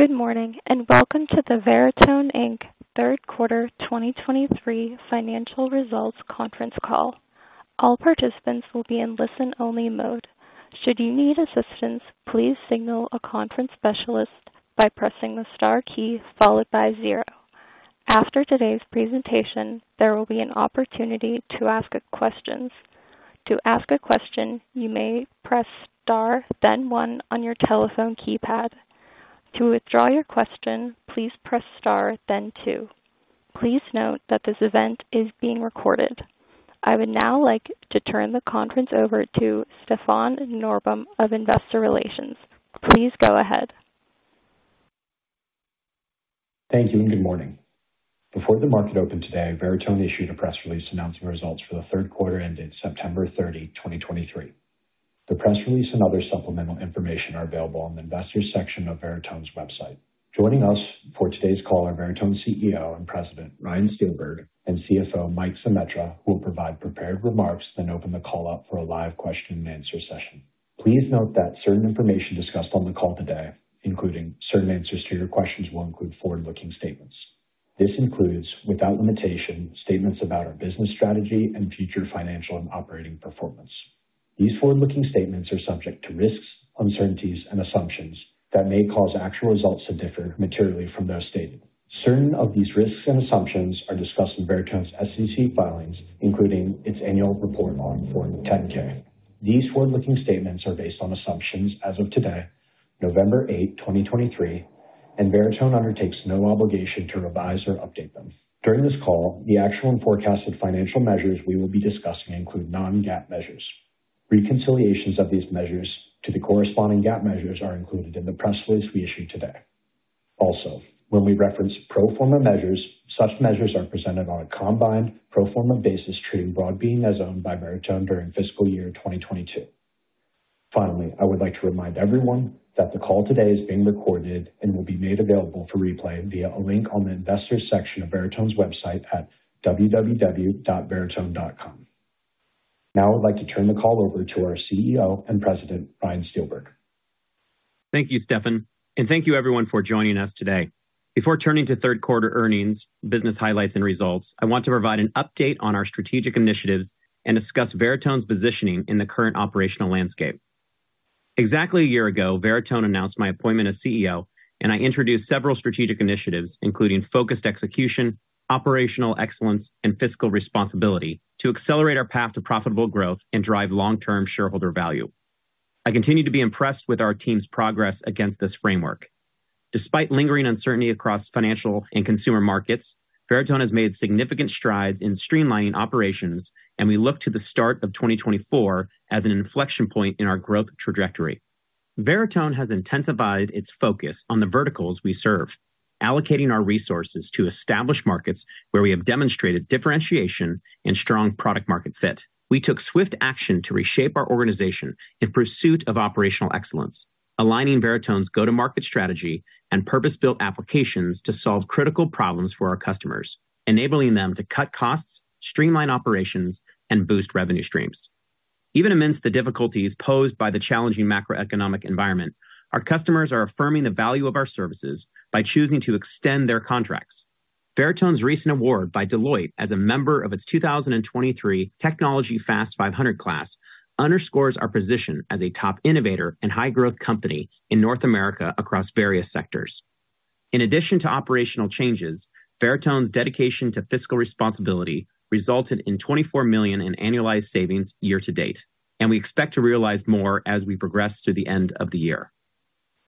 Good morning, and welcome to the Veritone, Inc. Third Quarter 2023 financial results conference call. All participants will be in listen-only mode. Should you need assistance, please signal a conference specialist by pressing the star key followed by zero. After today's presentation, there will be an opportunity to ask questions. To ask a question, you may press Star, then one on your telephone keypad. To withdraw your question, please press Star, then two. Please note that this event is being recorded. I would now like to turn the conference over to Stefan Norbom of Investor Relations. Please go ahead. Thank you, and good morning. Before the market opened today, Veritone issued a press release announcing results for the third quarter ended September 30, 2023. The press release and other supplemental information are available on the Investors section of Veritone's website. Joining us for today's call are Veritone's CEO and President, Ryan Steelberg, and CFO, Mike Zemetra, who will provide prepared remarks, then open the call up for a live question and answer session. Please note that certain information discussed on the call today, including certain answers to your questions, will include forward-looking statements. This includes, without limitation, statements about our business strategy and future financial and operating performance. These forward-looking statements are subject to risks, uncertainties, and assumptions that may cause actual results to differ materially from those stated. Certain of these risks and assumptions are discussed in Veritone's SEC filings, including its annual report on Form 10-K. These forward-looking statements are based on assumptions as of today, November 8, 2023, and Veritone undertakes no obligation to revise or update them. During this call, the actual and forecasted financial measures we will be discussing include non-GAAP measures. Reconciliations of these measures to the corresponding GAAP measures are included in the press release we issued today. Also, when we reference pro forma measures, such measures are presented on a combined pro forma basis, treating Broadbean as owned by Veritone during fiscal year 2022. Finally, I would like to remind everyone that the call today is being recorded and will be made available for replay via a link on the Investors section of Veritone's website at www.veritone.com. Now I'd like to turn the call over to our CEO and President, Ryan Steelberg. Thank you, Stefan, and thank you everyone for joining us today. Before turning to third quarter earnings, business highlights, and results, I want to provide an update on our strategic initiatives and discuss Veritone's positioning in the current operational landscape. Exactly a year ago, Veritone announced my appointment as CEO, and I introduced several strategic initiatives, including focused execution, operational excellence, and fiscal responsibility, to accelerate our path to profitable growth and drive long-term shareholder value. I continue to be impressed with our team's progress against this framework. Despite lingering uncertainty across financial and consumer markets, Veritone has made significant strides in streamlining operations, and we look to the start of 2024 as an inflection point in our growth trajectory. Veritone has intensified its focus on the verticals we serve, allocating our resources to establish markets where we have demonstrated differentiation and strong product market fit. We took swift action to reshape our organization in pursuit of operational excellence, aligning Veritone's go-to-market strategy and purpose-built applications to solve critical problems for our customers, enabling them to cut costs, streamline operations, and boost revenue streams. Even amidst the difficulties posed by the challenging macroeconomic environment, our customers are affirming the value of our services by choosing to extend their contracts. Veritone's recent award by Deloitte as a member of its 2023 Technology Fast 500 class underscores our position as a top innovator and high-growth company in North America across various sectors. In addition to operational changes, Veritone's dedication to fiscal responsibility resulted in $24 million in annualized savings year to date, and we expect to realize more as we progress through the end of the year.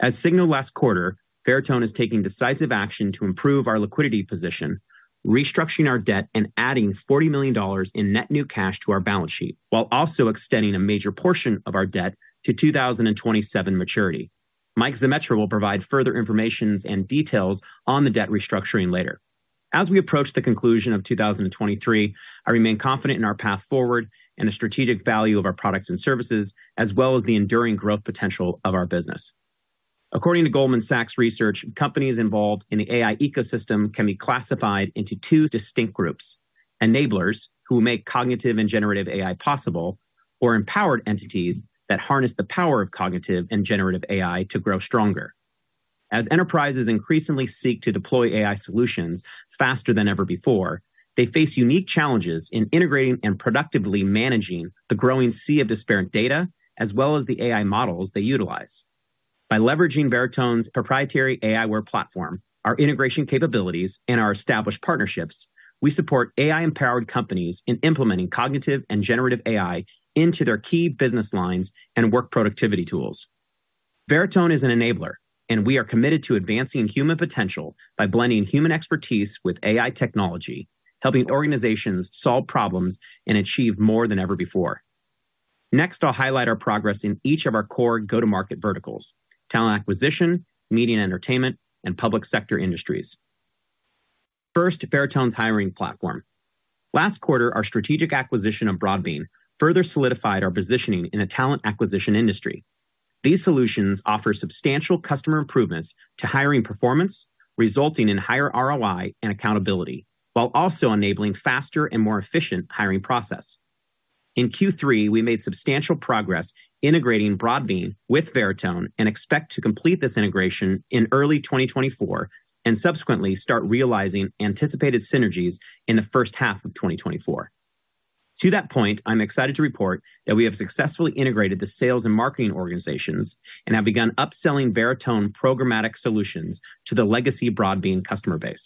As signaled last quarter, Veritone is taking decisive action to improve our liquidity position, restructuring our debt, and adding $40 million in net new cash to our balance sheet, while also extending a major portion of our debt to 2027 maturity. Mike Zemetra will provide further information and details on the debt restructuring later. As we approach the conclusion of 2023, I remain confident in our path forward and the strategic value of our products and services, as well as the enduring growth potential of our business. According to Goldman Sachs Research, companies involved in the AI ecosystem can be classified into two distinct groups: enablers, who make cognitive and generative AI possible, or empowered entities that harness the power of cognitive and generative AI to grow stronger. As enterprises increasingly seek to deploy AI solutions faster than ever before, they face unique challenges in integrating and productively managing the growing sea of disparate data, as well as the AI models they utilize. By leveraging Veritone's proprietary aiWARE platform, our integration capabilities, and our established partnerships, we support AI-empowered companies in implementing cognitive and generative AI into their key business lines and work productivity tools. Veritone is an enabler, and we are committed to advancing human potential by blending human expertise with AI technology, helping organizations solve problems and achieve more than ever before. Next, I'll highlight our progress in each of our core go-to-market verticals: talent acquisition, media and entertainment, and public sector industries. First, Veritone's hiring platform. Last quarter, our strategic acquisition of Broadbean further solidified our positioning in the talent acquisition industry. These solutions offer substantial customer improvements to hiring performance, resulting in higher ROI and accountability, while also enabling faster and more efficient hiring process. In Q3, we made substantial progress integrating Broadbean with Veritone and expect to complete this integration in early 2024, and subsequently start realizing anticipated synergies in the first half of 2024. To that point, I'm excited to report that we have successfully integrated the sales and marketing organizations and have begun upselling Veritone programmatic solutions to the legacy Broadbean customer base.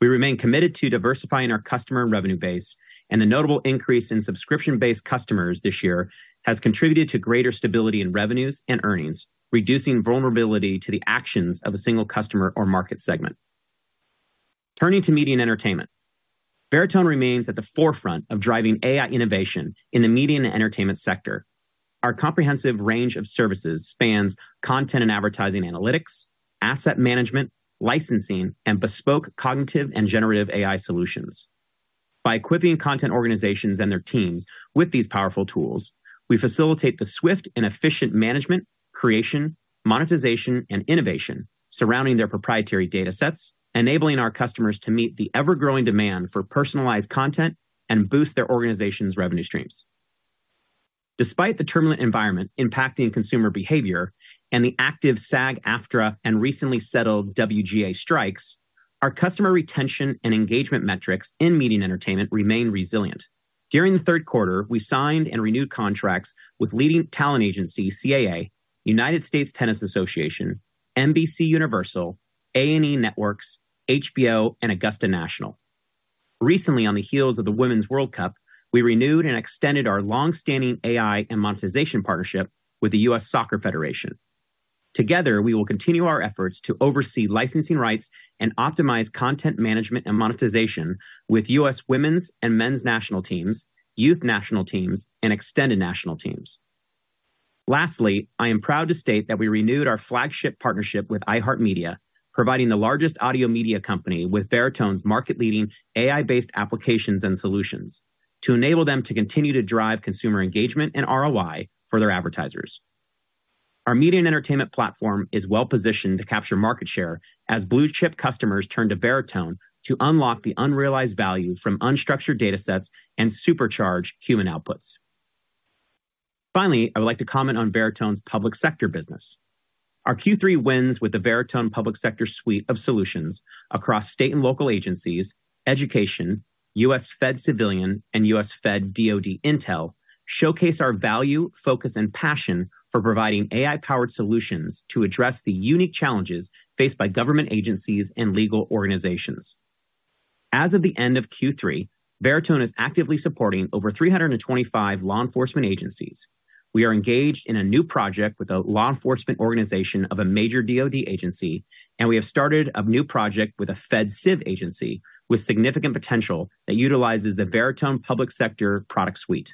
We remain committed to diversifying our customer and revenue base, and the notable increase in subscription-based customers this year has contributed to greater stability in revenues and earnings, reducing vulnerability to the actions of a single customer or market segment. Turning to media and entertainment, Veritone remains at the forefront of driving AI innovation in the media and entertainment sector. Our comprehensive range of services spans content and advertising analytics, asset management, licensing, and bespoke cognitive and generative AI solutions. By equipping content organizations and their teams with these powerful tools, we facilitate the swift and efficient management, creation, monetization, and innovation surrounding their proprietary datasets, enabling our customers to meet the ever-growing demand for personalized content and boost their organization's revenue streams. Despite the turbulent environment impacting consumer behavior and the active SAG-AFTRA and recently settled WGA strikes, our customer retention and engagement metrics in media and entertainment remain resilient. During the third quarter, we signed and renewed contracts with leading talent agency CAA, United States Tennis Association, NBCUniversal, A&E Networks, HBO, and Augusta National. Recently, on the heels of the Women's World Cup, we renewed and extended our long-standing AI and monetization partnership with the U.S. Soccer Federation. Together, we will continue our efforts to oversee licensing rights and optimize content management and monetization with U.S. women's and men's national teams, youth national teams, and extended national teams. Lastly, I am proud to state that we renewed our flagship partnership with iHeartMedia, providing the largest audio media company with Veritone's market-leading AI-based applications and solutions, to enable them to continue to drive consumer engagement and ROI for their advertisers. Our media and entertainment platform is well positioned to capture market share as blue-chip customers turn to Veritone to unlock the unrealized value from unstructured datasets and supercharge human outputs. Finally, I would like to comment on Veritone's public sector business. Our Q3 wins with the Veritone public sector suite of solutions across state and local agencies, education, US Fed Civilian, and US Fed DoD Intel showcase our value, focus, and passion for providing AI-powered solutions to address the unique challenges faced by government agencies and legal organizations. As of the end of Q3, Veritone is actively supporting over 325 law enforcement agencies. We are engaged in a new project with a law enforcement organization of a major DoD agency, and we have started a new project with a Fed Civ agency with significant potential that utilizes the Veritone public sector product suite.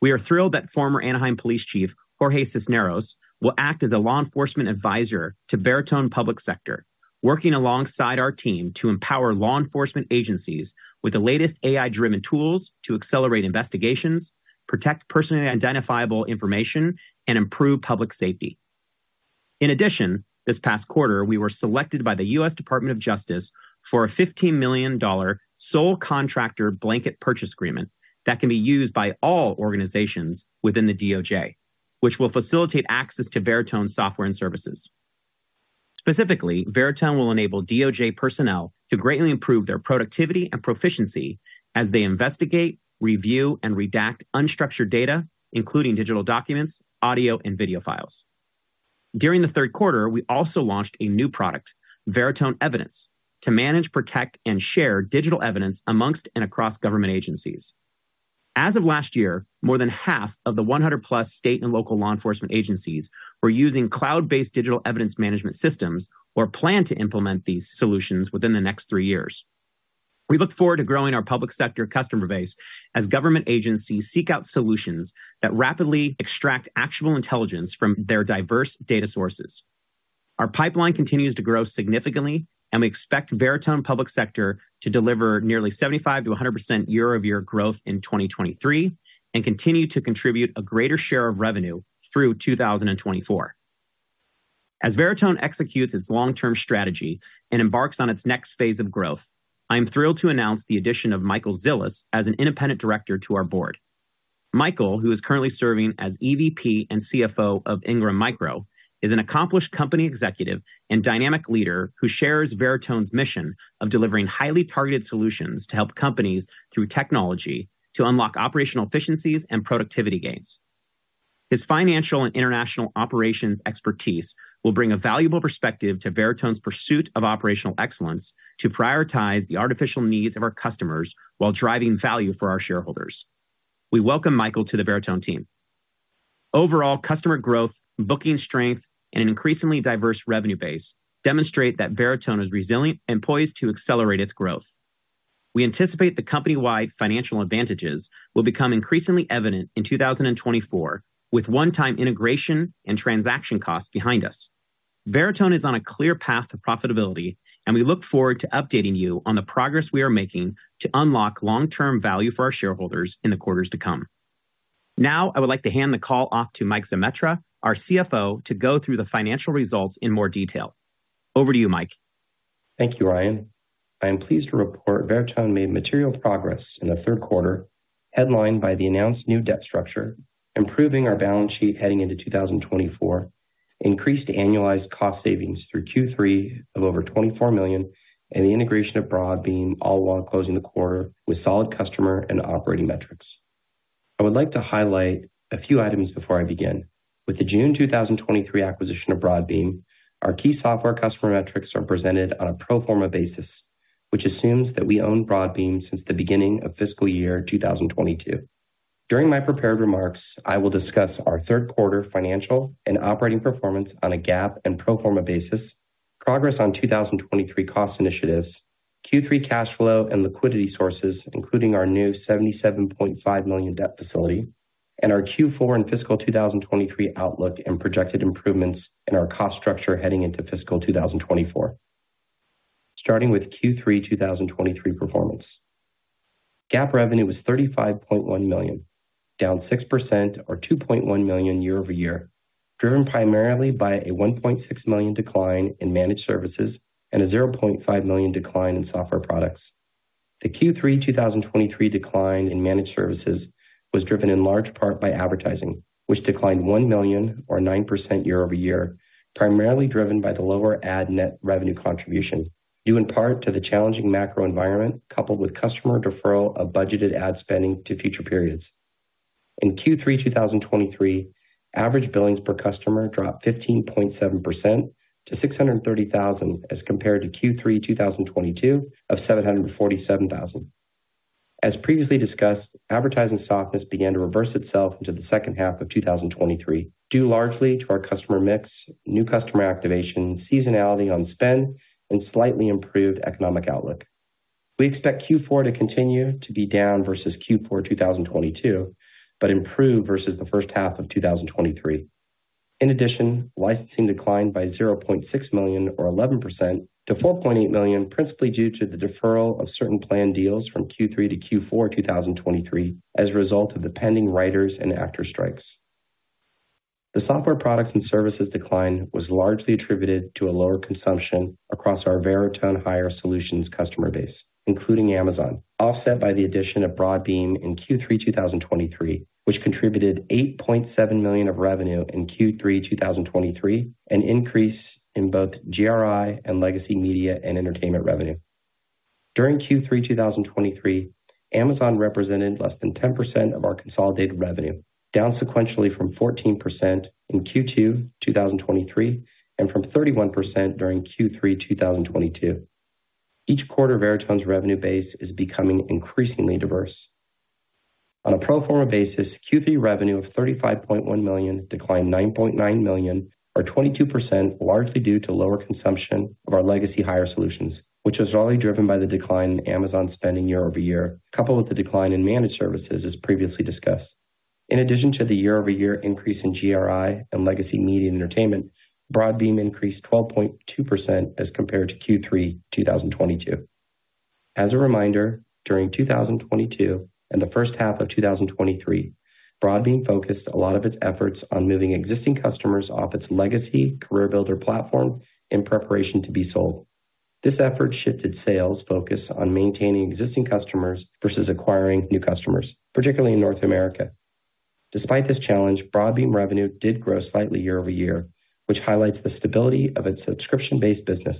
We are thrilled that former Anaheim Police Chief, Jorge Cisneros, will act as a law enforcement advisor to Veritone Public Sector, working alongside our team to empower law enforcement agencies with the latest AI-driven tools to accelerate investigations, protect personally identifiable information, and improve public safety. In addition, this past quarter, we were selected by the U.S. Department of Justice for a $15 million sole contractor blanket purchase agreement that can be used by all organizations within the DOJ, which will facilitate access to Veritone software and services. Specifically, Veritone will enable DOJ personnel to greatly improve their productivity and proficiency as they investigate, review, and redact unstructured data, including digital documents, audio, and video files. During the third quarter, we also launched a new product, Veritone Evidence, to manage, protect, and share digital evidence amongst and across government agencies. As of last year, more than half of the 100+ state and local law enforcement agencies were using cloud-based digital evidence management systems or plan to implement these solutions within the next three years. We look forward to growing our public sector customer base as government agencies seek out solutions that rapidly extract actionable intelligence from their diverse data sources. Our pipeline continues to grow significantly, and we expect Veritone public sector to deliver nearly 75%-100% year-over-year growth in 2023, and continue to contribute a greater share of revenue through 2024. As Veritone executes its long-term strategy and embarks on its next phase of growth, I am thrilled to announce the addition of Michael Zilis as an independent director to our board. Michael, who is currently serving as EVP and CFO of Ingram Micro, is an accomplished company executive and dynamic leader who shares Veritone's mission of delivering highly targeted solutions to help companies through technology to unlock operational efficiencies and productivity gains. His financial and international operations expertise will bring a valuable perspective to Veritone's pursuit of operational excellence to prioritize the actual needs of our customers while driving value for our shareholders. We welcome Michael to the Veritone team. Overall, customer growth, booking strength, and an increasingly diverse revenue base demonstrate that Veritone is resilient and poised to accelerate its growth. We anticipate the company-wide financial advantages will become increasingly evident in 2024, with one-time integration and transaction costs behind us. Veritone is on a clear path to profitability, and we look forward to updating you on the progress we are making to unlock long-term value for our shareholders in the quarters to come. Now, I would like to hand the call off to Mike Zemetra, our CFO, to go through the financial results in more detail. Over to you, Mike. Thank you, Ryan. I am pleased to report Veritone made material progress in the third quarter, headlined by the announced new debt structure, improving our balance sheet heading into 2024, increased annualized cost savings through Q3 of over $24 million, and the integration of Broadbean, all while closing the quarter with solid customer and operating metrics. I would like to highlight a few items before I begin. With the June 2023 acquisition of Broadbean, our key software customer metrics are presented on a pro forma basis, which assumes that we own Broadbean since the beginning of fiscal year 2022. During my prepared remarks, I will discuss our third quarter financial and operating performance on a GAAP and pro forma basis, progress on 2023 cost initiatives, Q3 cash flow and liquidity sources, including our new $77.5 million debt facility, and our Q4 and fiscal 2023 outlook and projected improvements in our cost structure heading into fiscal 2024. Starting with Q3 2023 performance. GAAP revenue was $35.1 million, down 6% or $2.1 million year-over-year, driven primarily by a $1.6 million decline in managed services and a $0.5 million decline in software products. The Q3 2023 decline in managed services was driven in large part by advertising, which declined $1 million or 9% year-over-year, primarily driven by the lower ad net revenue contribution, due in part to the challenging macro environment, coupled with customer deferral of budgeted ad spending to future periods. In Q3 2023, average billings per customer dropped 15.7% to $630,000, as compared to Q3 2022 of $747,000. As previously discussed, advertising softness began to reverse itself into the second half of 2023, due largely to our customer mix, new customer activation, seasonality on spend, and slightly improved economic outlook. We expect Q4 to continue to be down versus Q4 2022, but improve versus the first half of 2023. In addition, licensing declined by $0.6 million, or 11% to $4.8 million, principally due to the deferral of certain planned deals from Q3 to Q4 2023 as a result of the pending writers and actors strikes. The software products and services decline was largely attributed to a lower consumption across our Veritone Hire solutions customer base, including Amazon, offset by the addition of Broadbean in Q3 2023, which contributed $8.7 million of revenue in Q3 2023, an increase in both GRI and legacy media and entertainment revenue. During Q3 2023, Amazon represented less than 10% of our consolidated revenue, down sequentially from 14% in Q2 2023, and from 31% during Q3 2022. Each quarter, Veritone's revenue base is becoming increasingly diverse. On a pro forma basis, Q3 revenue of $35.1 million declined $9.9 million, or 22%, largely due to lower consumption of our legacy hire solutions, which was largely driven by the decline in Amazon spending year-over-year, coupled with the decline in managed services, as previously discussed. In addition to the year-over-year increase in GRI and legacy media and entertainment, Broadbean increased 12.2% as compared to Q3 2022. As a reminder, during 2022 and the first half of 2023, Broadbean focused a lot of its efforts on moving existing customers off its legacy CareerBuilder platform in preparation to be sold. This effort shifted sales focus on maintaining existing customers versus acquiring new customers, particularly in North America. Despite this challenge, Broadbean revenue did grow slightly year-over-year, which highlights the stability of its subscription-based business.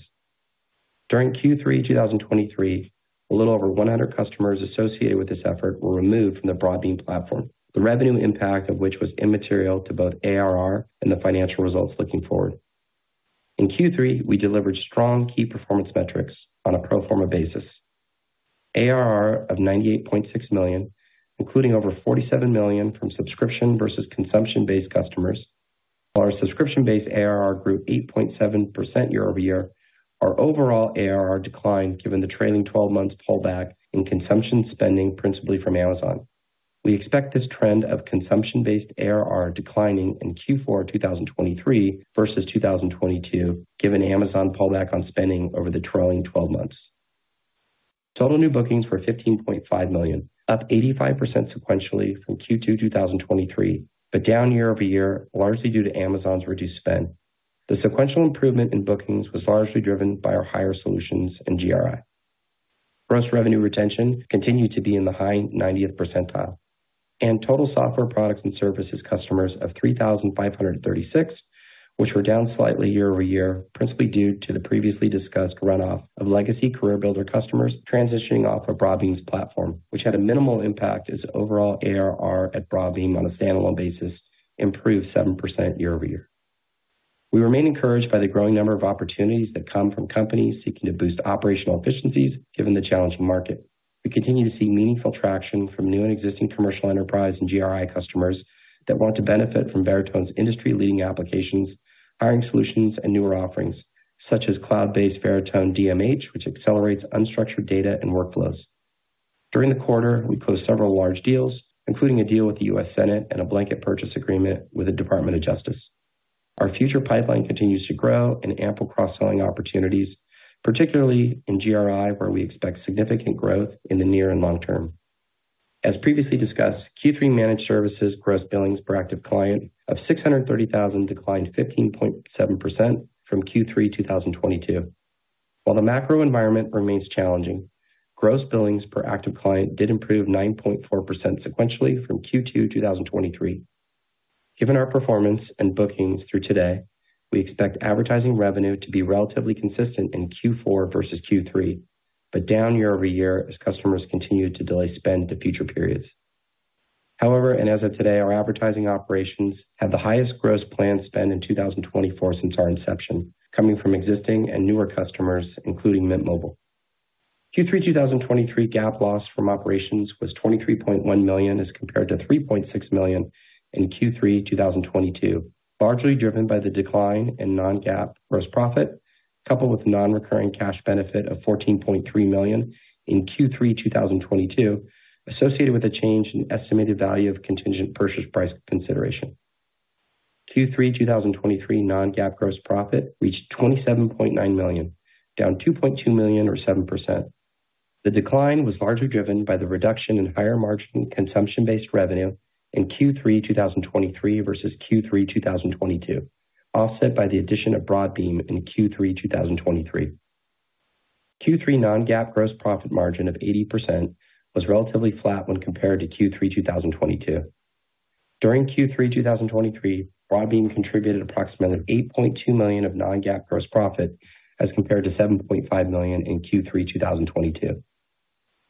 During Q3 2023, a little over 100 customers associated with this effort were removed from the Broadbean platform, the revenue impact of which was immaterial to both ARR and the financial results looking forward. In Q3, we delivered strong key performance metrics on a pro forma basis. ARR of $98.6 million, including over $47 million from subscription versus consumption-based customers. While our subscription-based ARR grew 8.7% year-over-year, our overall ARR declined given the trailing twelve months pullback in consumption spending, principally from Amazon. We expect this trend of consumption-based ARR declining in Q4 2023 versus 2022, given Amazon pullback on spending over the trailing twelve months. Total new bookings were $15.5 million, up 85% sequentially from Q2 2023, but down year-over-year, largely due to Amazon's reduced spend. The sequential improvement in bookings was largely driven by our hire solutions and GRI. Gross revenue retention continued to be in the high 90th percentile, and total software products and services customers of 3,536, which were down slightly year-over-year, principally due to the previously discussed runoff of legacy CareerBuilder customers transitioning off of Broadbean's platform, which had a minimal impact as overall ARR at Broadbean on a standalone basis improved 7% year-over-year. We remain encouraged by the growing number of opportunities that come from companies seeking to boost operational efficiencies given the challenging market. We continue to see meaningful traction from new and existing commercial enterprise and GRI customers that want to benefit from Veritone's industry-leading applications, hiring solutions, and newer offerings such as cloud-based Veritone DMH, which accelerates unstructured data and workflows. During the quarter, we closed several large deals, including a deal with the U.S. Senate and a blanket purchase agreement with the Department of Justice. Our future pipeline continues to grow and ample cross-selling opportunities, particularly in GRI, where we expect significant growth in the near and long term. As previously discussed, Q3 managed services gross billings per active client of 630,000 declined 15.7% from Q3 2022. While the macro environment remains challenging, gross billings per active client did improve 9.4% sequentially from Q2 2023. Given our performance and bookings through today, we expect advertising revenue to be relatively consistent in Q4 versus Q3, but down year-over-year as customers continue to delay spend to future periods. However, and as of today, our advertising operations had the highest gross plan spend in 2024 since our inception, coming from existing and newer customers, including Mint Mobile. Q3 2023 GAAP loss from operations was $23.1 million, as compared to $3.6 million in Q3 2022, largely driven by the decline in non-GAAP gross profit, coupled with non-recurring cash benefit of $14.3 million in Q3 2022, associated with a change in estimated value of contingent purchase price consideration. Q3 2023 non-GAAP gross profit reached $27.9 million, down $2.2 million, or 7%. The decline was largely driven by the reduction in higher margin consumption-based revenue in Q3 2023 versus Q3 2022, offset by the addition of Broadbean in Q3 2023. Q3 non-GAAP gross profit margin of 80% was relatively flat when compared to Q3 2022. During Q3 2023, Broadbean contributed approximately $8.2 million of non-GAAP gross profit, as compared to $7.5 million in Q3 2022.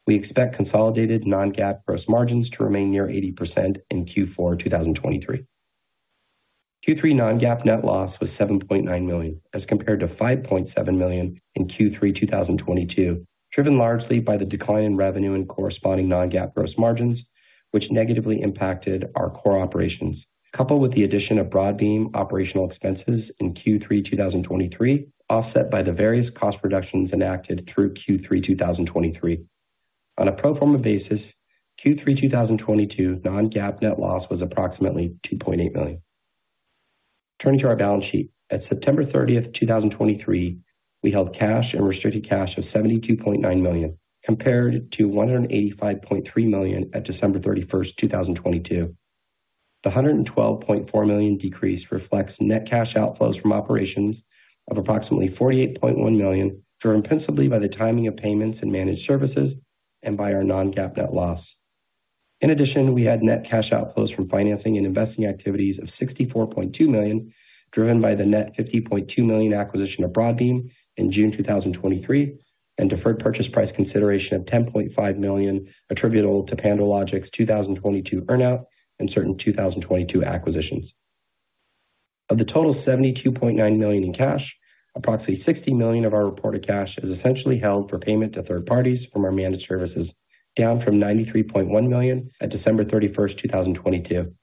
We expect consolidated non-GAAP gross margins to remain near 80% in Q4 2023. Q3 non-GAAP net loss was $7.9 million, as compared to $5.7 million in Q3 2022, driven largely by the decline in revenue and corresponding non-GAAP gross margins, which negatively impacted our core operations, coupled with the addition of Broadbean operational expenses in Q3 2023, offset by the various cost reductions enacted through Q3 2023. On a Pro Forma basis, Q3 2022 non-GAAP net loss was approximately $2.8 million. Turning to our balance sheet. At September 30, 2023, we held cash and restricted cash of $72.9 million, compared to $185.3 million at December 31, 2022. The $112.4 million decrease reflects net cash outflows from operations of approximately $48.1 million, driven principally by the timing of payments in managed services and by our non-GAAP net loss. In addition, we had net cash outflows from financing and investing activities of $64.2 million, driven by the net $50.2 million acquisition of Broadbean in June 2023, and deferred purchase price consideration of $10.5 million attributable to PandoLogic's 2022 earn-out and certain 2022 acquisitions. Of the total $72.9 million in cash, approximately $60 million of our reported cash is essentially held for payment to third parties from our managed services, down from $93.1 million at December 31, 2022.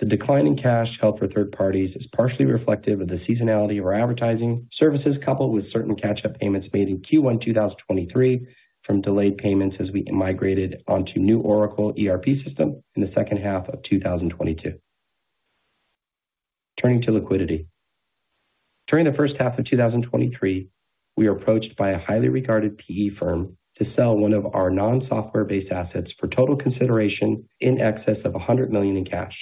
The decline in cash held for third parties is partially reflective of the seasonality of our advertising services, coupled with certain catch-up payments made in Q1 2023 from delayed payments as we migrated onto new Oracle ERP system in the second half of 2022. Turning to liquidity. During the first half of 2023, we were approached by a highly regarded PE firm to sell one of our non-software-based assets for total consideration in excess of $100 million in cash.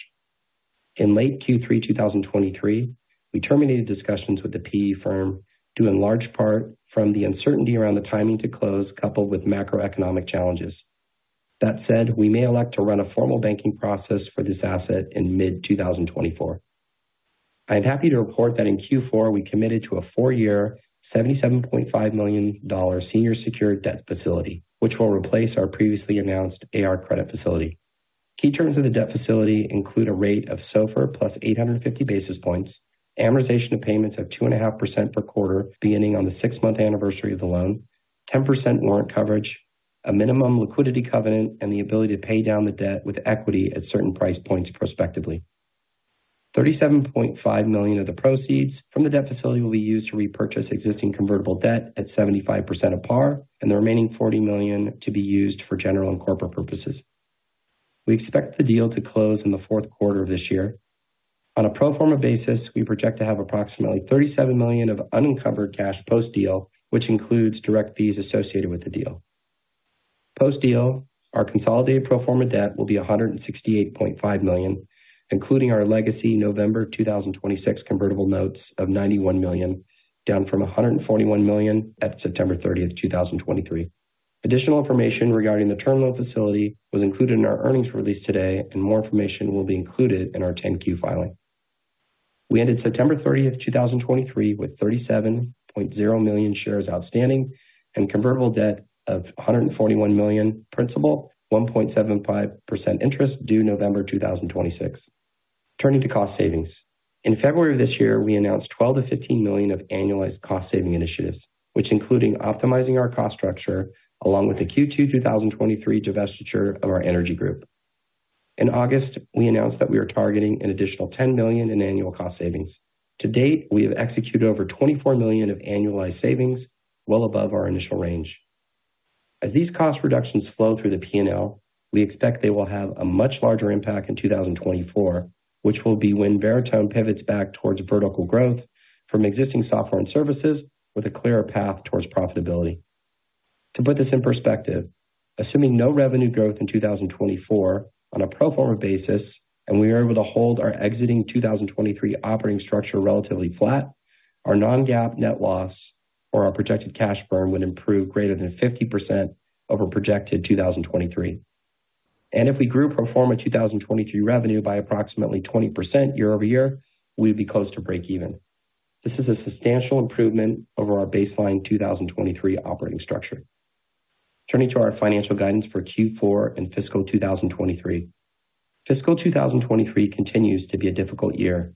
In late Q3 2023, we terminated discussions with the PE firm, due in large part from the uncertainty around the timing to close, coupled with macroeconomic challenges. That said, we may elect to run a formal banking process for this asset in mid-2024. I am happy to report that in Q4, we committed to a 4-year, $77.5 million senior secured debt facility, which will replace our previously announced AR credit facility. Key terms of the debt facility include a rate of SOFR plus 850 basis points, amortization of payments of 2.5% per quarter, beginning on the 6-month anniversary of the loan, 10% warrant coverage, a minimum liquidity covenant, and the ability to pay down the debt with equity at certain price points prospectively. $37.5 million of the proceeds from the debt facility will be used to repurchase existing convertible debt at 75% of par, and the remaining $40 million to be used for general and corporate purposes. We expect the deal to close in the fourth quarter of this year. On a pro forma basis, we project to have approximately $37 million of unencumbered cash post-deal, which includes direct fees associated with the deal. Post-deal, our consolidated pro forma debt will be $168.5 million, including our legacy November 2026 convertible notes of $91 million, down from $141 million at September 30, 2023. Additional information regarding the term loan facility was included in our earnings release today, and more information will be included in our 10-Q filing. We ended September 30, 2023, with 37.0 million shares outstanding and convertible debt of $141 million principal, 1.75% interest due November 2026. Turning to cost savings. In February of this year, we announced $12 million-$15 million of annualized cost saving initiatives, which including optimizing our cost structure, along with the Q2 2023 divestiture of our energy group. In August, we announced that we are targeting an additional $10 million in annual cost savings. To date, we have executed over $24 million of annualized savings, well above our initial range.... As these cost reductions flow through the P&L, we expect they will have a much larger impact in 2024, which will be when Veritone pivots back towards vertical growth from existing software and services with a clearer path towards profitability. To put this in perspective, assuming no revenue growth in 2024 on a pro forma basis, and we are able to hold our existing 2023 operating structure relatively flat, our non-GAAP net loss or our projected cash burn would improve greater than 50% over projected 2023. And if we grew pro forma 2023 revenue by approximately 20% year-over-year, we'd be close to breakeven. This is a substantial improvement over our baseline 2023 operating structure. Turning to our financial guidance for Q4 and fiscal 2023. Fiscal 2023 continues to be a difficult year,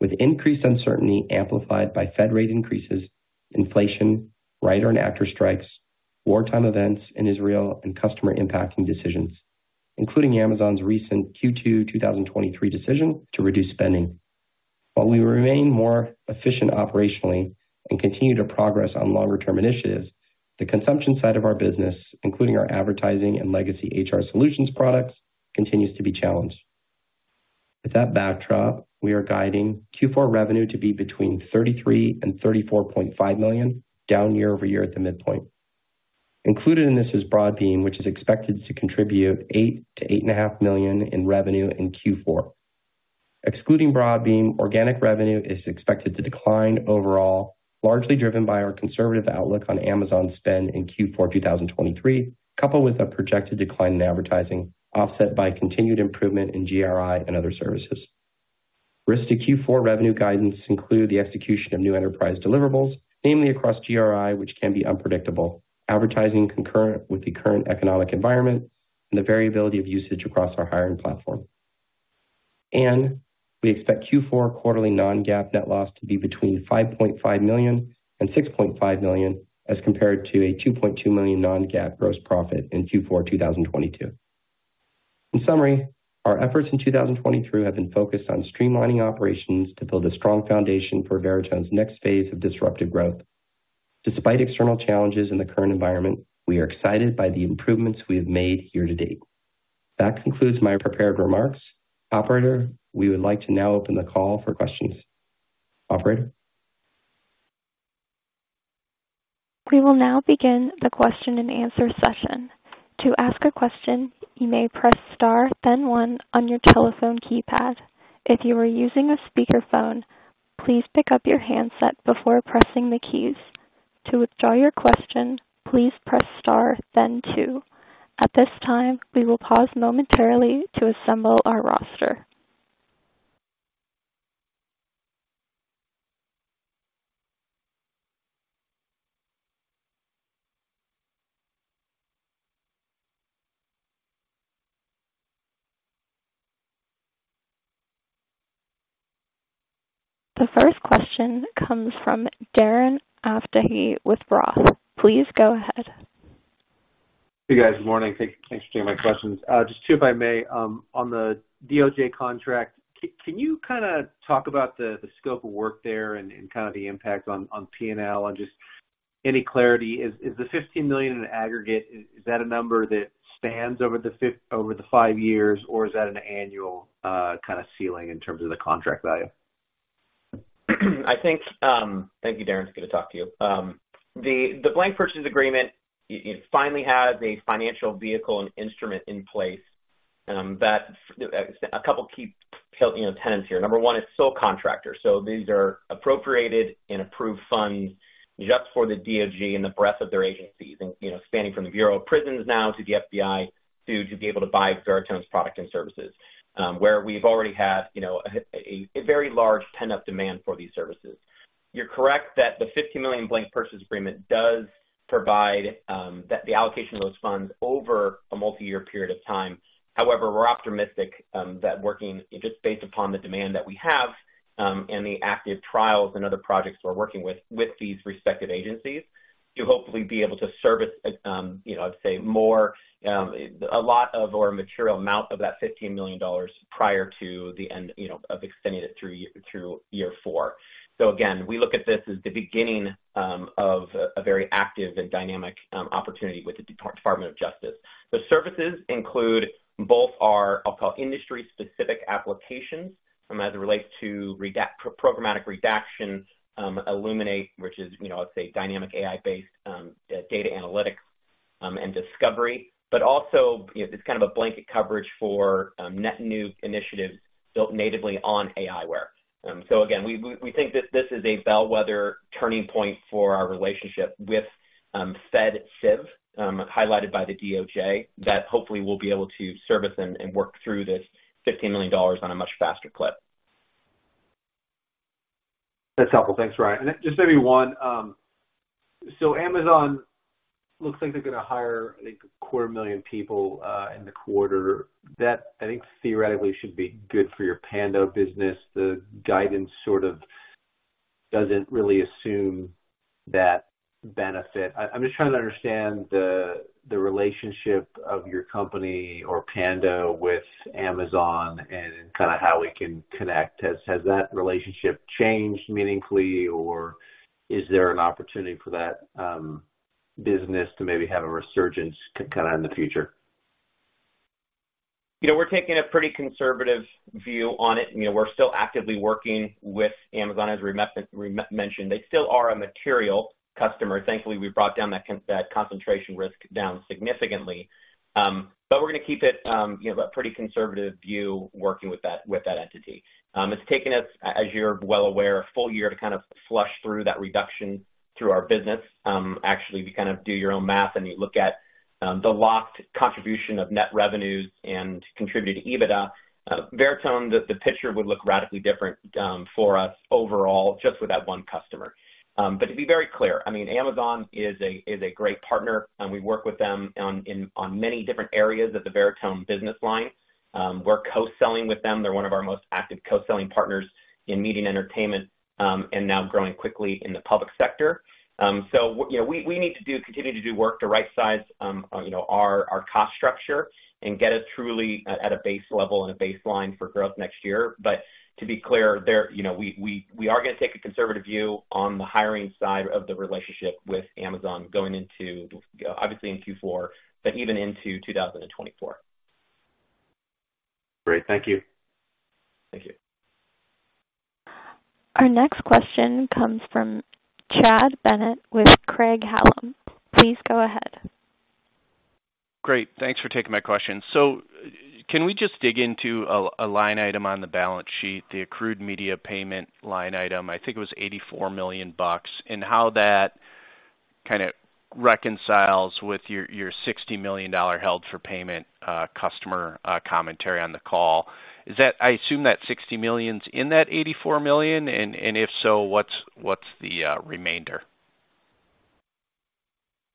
with increased uncertainty amplified by Fed rate increases, inflation, writer and actor strikes, wartime events in Israel, and customer impacting decisions, including Amazon's recent Q2 2023 decision to reduce spending. While we remain more efficient operationally and continue to progress on longer-term initiatives, the consumption side of our business, including our advertising and legacy HR solutions products, continues to be challenged. With that backdrop, we are guiding Q4 revenue to be between $33 million and $34.5 million, down year-over-year at the midpoint. Included in this is Broadbean, which is expected to contribute $8 million-$8.5 million in revenue in Q4. Excluding Broadbean, organic revenue is expected to decline overall, largely driven by our conservative outlook on Amazon spend in Q4 2023, coupled with a projected decline in advertising, offset by continued improvement in GRI and other services. Risks to Q4 revenue guidance include the execution of new enterprise deliverables, namely across GRI, which can be unpredictable, advertising concurrent with the current economic environment, and the variability of usage across our hiring platform. We expect Q4 quarterly non-GAAP net loss to be between $5.5 million and $6.5 million, as compared to a $2.2 million non-GAAP gross profit in Q4 2022. In summary, our efforts in 2023 have been focused on streamlining operations to build a strong foundation for Veritone's next phase of disruptive growth. Despite external challenges in the current environment, we are excited by the improvements we have made here to date. That concludes my prepared remarks. Operator, we would like to now open the call for questions. Operator? We will now begin the question-and-answer session. To ask a question, you may press Star, then one on your telephone keypad. If you are using a speakerphone, please pick up your handset before pressing the keys. To withdraw your question, please press Star, then two. At this time, we will pause momentarily to assemble our roster. The first question comes from Darren Aftahi with Roth. Please go ahead. Hey, guys. Good morning. Thanks for taking my questions. Just two, if I may. On the DOJ contract, can you kind of talk about the scope of work there and kind of the impact on P&L and just any clarity? Is the $15 million in aggregate, is that a number that spans over the 5 years, or is that an annual kind of ceiling in terms of the contract value? I think, Thank you, Darren. It's good to talk to you. The Blanket Purchase Agreement finally has a financial vehicle and instrument in place that a couple key, you know, tenets here. Number one, it's sole contractor, so these are appropriated and approved funds just for the DOJ and the breadth of their agencies, and, you know, spanning from the Bureau of Prisons now to the FBI, to be able to buy Veritone's products and services, where we've already had, you know, a very large pent-up demand for these services. You're correct that the $15 million Blanket Purchase Agreement does provide the allocation of those funds over a multi-year period of time. However, we're optimistic that working just based upon the demand that we have, and the active trials and other projects we're working with, with these respective agencies, to hopefully be able to service, you know, I'd say more, a lot of or a material amount of that $15 million prior to the end, you know, of extending it through y- through year four. So again, we look at this as the beginning of a, a very active and dynamic opportunity with the Depart- Department of Justice. The services include both our, I'll call it, industry-specific applications, as it relates to reda- programmatic redactions, Illuminate, which is, you know, let's say, dynamic AI-based data analytics and discovery, but also, you know, it's kind of a blanket coverage for net new initiatives built natively on aiWARE. So again, we think that this is a bellwether turning point for our relationship with Fed Civ, highlighted by the DOJ, that hopefully we'll be able to service and work through this $15 million on a much faster clip. That's helpful. Thanks, Ryan. Just maybe one, so Amazon looks like they're going to hire, I think, 250,000 people in the quarter. That, I think, theoretically should be good for your Pando business. The guidance sort of doesn't really assume that benefit. I'm just trying to understand the relationship of your company or Panda with Amazon and kind of how we can connect. Has that relationship changed meaningfully, or is there an opportunity for that business to maybe have a resurgence kind of in the future?... You know, we're taking a pretty conservative view on it. You know, we're still actively working with Amazon. As we mentioned, they still are a material customer. Thankfully, we brought down that concentration risk significantly. But we're gonna keep it, you know, a pretty conservative view working with that entity. It's taken us, as you're well aware, a full year to kind of flush through that reduction through our business. Actually, if you kind of do your own math and you look at the locked contribution of net revenues and contributed EBITDA, Veritone, the picture would look radically different for us overall, just with that one customer. But to be very clear, I mean, Amazon is a great partner, and we work with them on many different areas of the Veritone business line. We're co-selling with them. They're one of our most active co-selling partners in media and entertainment, and now growing quickly in the public sector. So, you know, we need to continue to do work to rightsize our cost structure and get us truly at a base level and a baseline for growth next year. But to be clear, you know, we are gonna take a conservative view on the hiring side of the relationship with Amazon going into, obviously, in Q4, but even into 2024. Great. Thank you. Thank you. Our next question comes from Chad Bennett with Craig-Hallum. Please go ahead. Great. Thanks for taking my question. So can we just dig into a line item on the balance sheet, the accrued media payment line item? I think it was $84 million, and how that kind of reconciles with your $60 million held for payment customer commentary on the call. Is that—I assume that $60 million's in that $84 million, and if so, what's the remainder?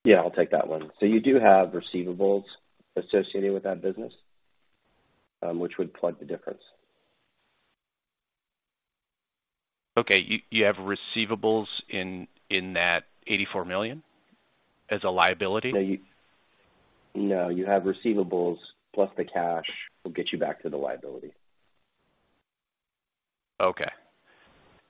Yeah, I'll take that one. So you do have receivables associated with that business, which would plug the difference. Okay. You have receivables in that $84 million as a liability? No, you have receivables, plus the cash will get you back to the liability. Okay.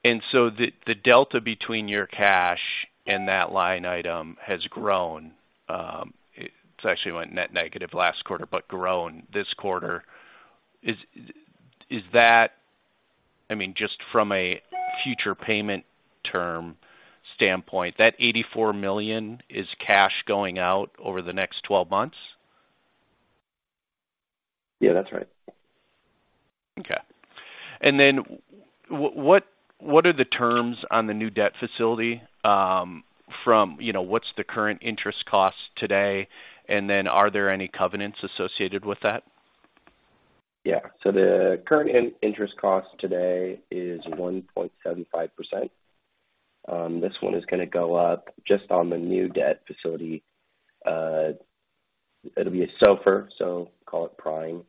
And so the delta between your cash and that line item has grown. It's actually went net negative last quarter, but grown this quarter. Is that, I mean, just from a future payment term standpoint, that $84 million is cash going out over the next 12 months? Yeah, that's right. Okay. And then what are the terms on the new debt facility? From, you know, what's the current interest cost today, and then are there any covenants associated with that? Yeah. So the current interest cost today is 1.75%. This one is gonna go up just on the new debt facility. It'll be a SOFR, so call it prime,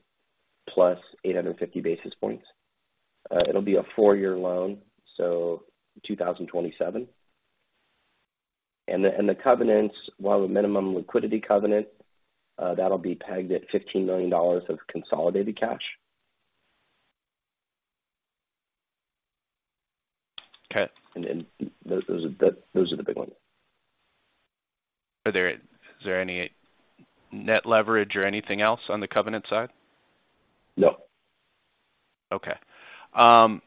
plus 850 basis points. It'll be a four-year loan, so 2027. And the covenants, while the minimum liquidity covenant, that'll be pegged at $15 million of consolidated cash. Okay. And those are the big ones. Are there, is there any net leverage or anything else on the covenant side? No. Okay. And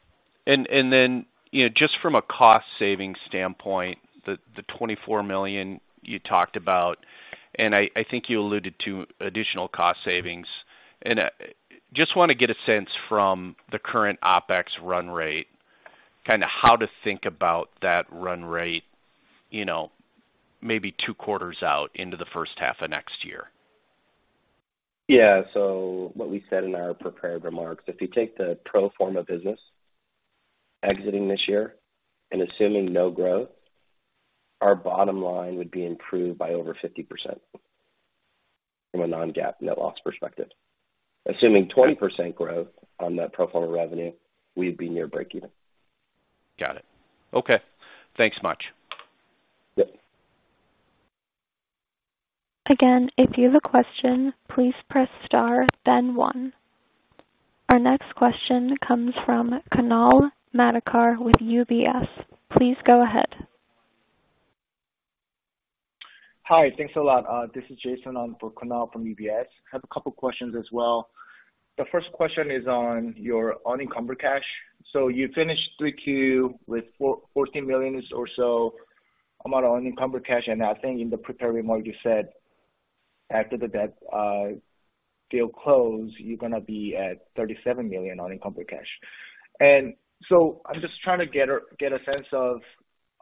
then, you know, just from a cost-saving standpoint, the $24 million you talked about, and I think you alluded to additional cost savings. Just want to get a sense from the current OpEx run rate, kind of how to think about that run rate, you know, maybe two quarters out into the first half of next year. Yeah. So what we said in our prepared remarks, if you take the pro forma business exiting this year and assuming no growth, our bottom line would be improved by over 50% from a non-GAAP net loss perspective. Assuming 20% growth on that pro forma revenue, we'd be near breakeven. Got it. Okay. Thanks much. Yep. Again, if you have a question, please press star then one. Our next question comes from Kunal Madhukar with UBS. Please go ahead. Hi. Thanks a lot. This is Jason on for Kunal from UBS. I have a couple questions as well. The first question is on your unencumbered cash. So you finished Q3 with $14 million or so amount of unencumbered cash, and I think in the prepared remarks, you said after the debt deal close, you're gonna be at $37 million unencumbered cash. And so I'm just trying to get a, get a sense of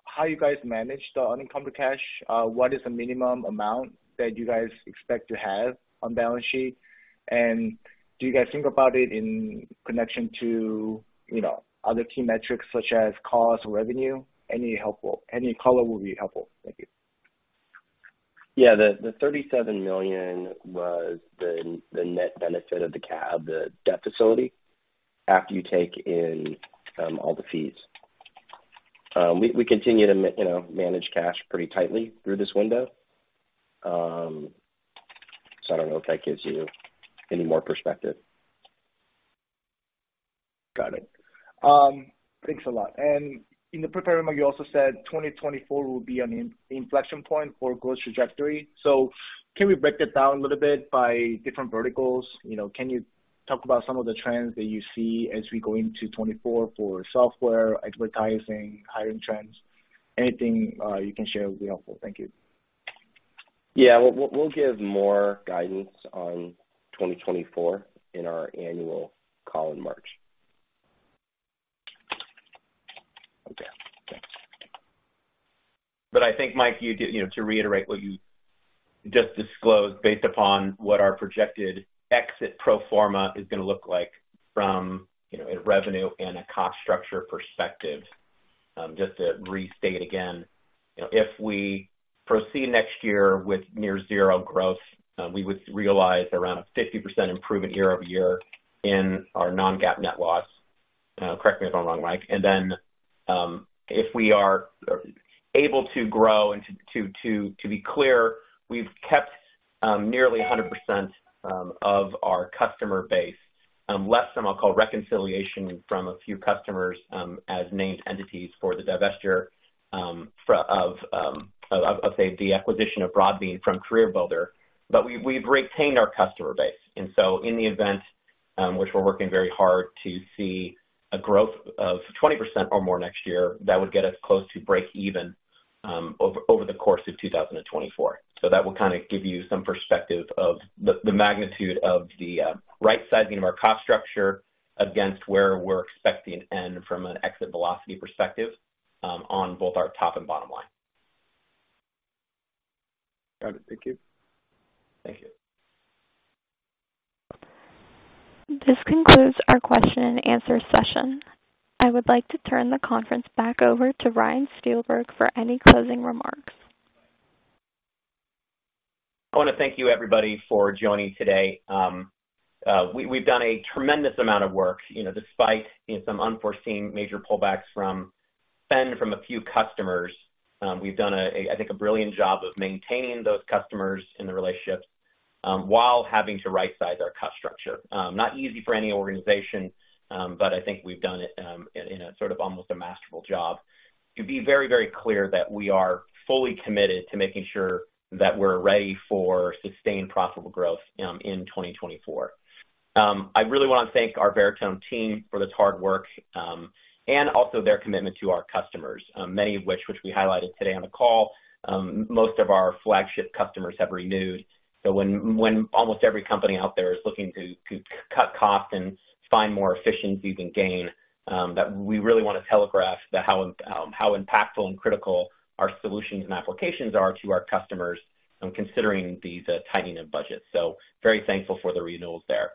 how you guys manage the unencumbered cash. What is the minimum amount that you guys expect to have on balance sheet? And do you guys think about it in connection to, you know, other key metrics such as cost or revenue? Any helpful, any color will be helpful. Thank you. Yeah, the $37 million was the net benefit of the debt facility after you take in all the fees. We continue to, you know, manage cash pretty tightly through this window. So I don't know if that gives you any more perspective.... Got it. Thanks a lot. And in the prepared remarks, you also said 2024 will be an inflection point for growth trajectory. So can we break that down a little bit by different verticals? You know, can you talk about some of the trends that you see as we go into 2024 for software, advertising, hiring trends? Anything you can share would be helpful. Thank you. Yeah, we'll give more guidance on 2024 in our annual call in March. Okay, thanks. But I think, Mike, you know, to reiterate what you just disclosed, based upon what our projected exit pro forma is going to look like from, you know, a revenue and a cost structure perspective. Just to restate again, you know, if we proceed next year with near zero growth, we would realize around a 50% improvement year-over-year in our non-GAAP net loss. Correct me if I'm wrong, Mike. And then, if we are able to grow and to be clear, we've kept nearly 100% of our customer base, less some I'll call reconciliation from a few customers, as named entities for the divestiture of, say, the acquisition of Broadbean from CareerBuilder. But we've retained our customer base. And so in the event, which we're working very hard to see a growth of 20% or more next year, that would get us close to break even, over the course of 2024. So that will kind of give you some perspective of the magnitude of the right-sizing of our cost structure against where we're expecting to end from an exit velocity perspective, on both our top and bottom line. Got it. Thank you. Thank you. This concludes our question and answer session. I would like to turn the conference back over to Ryan Steelberg for any closing remarks. I want to thank you, everybody, for joining today. We've done a tremendous amount of work, you know, despite some unforeseen major pullbacks from spend from a few customers. We've done a, I think, a brilliant job of maintaining those customers and the relationships, while having to rightsize our cost structure. Not easy for any organization, but I think we've done it, in a sort of almost a masterful job. To be very, very clear that we are fully committed to making sure that we're ready for sustained, profitable growth, in 2024. I really want to thank our Veritone team for this hard work, and also their commitment to our customers, many of which we highlighted today on the call. Most of our flagship customers have renewed. So when almost every company out there is looking to cut costs and find more efficiencies and gain that we really want to telegraph that how impactful and critical our solutions and applications are to our customers, considering these tightening of budgets. So very thankful for the renewals there.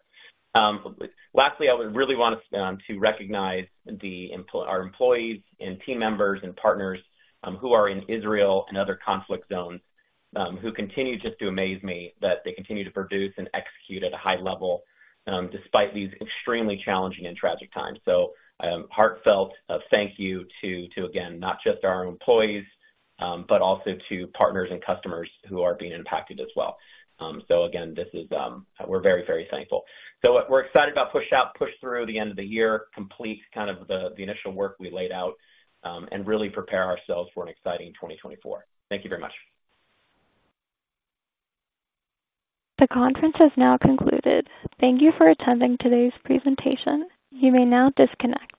Lastly, I would really want us to recognize our employees and team members and partners who are in Israel and other conflict zones who continue just to amaze me that they continue to produce and execute at a high level, despite these extremely challenging and tragic times. So heartfelt thank you to again, not just our own employees, but also to partners and customers who are being impacted as well. So again, this is... We're very, very thankful. So we're excited about push out, push through the end of the year, complete kind of the initial work we laid out, and really prepare ourselves for an exciting 2024. Thank you very much. The conference has now concluded. Thank you for attending today's presentation. You may now disconnect.